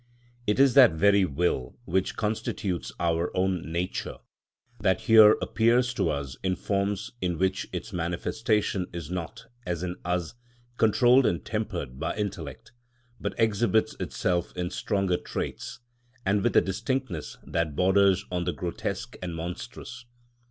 It is that very will, which constitutes our own nature, that here appears to us in forms, in which its manifestation is not, as in us, controlled and tempered by intellect, but exhibits itself in stronger traits, and with a distinctness that borders on the grotesque and monstrous.